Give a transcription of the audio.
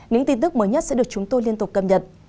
những tin tức mới nhất sẽ được chúng tôi liên tục cập nhật